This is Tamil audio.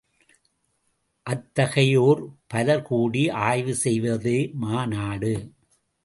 அத்தகையோர் பலர் கூடி ஆய்வு செய்வதே மாநாடு.